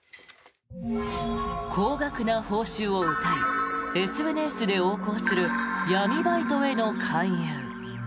高額な報酬をうたいＳＮＳで横行する闇バイトへの勧誘。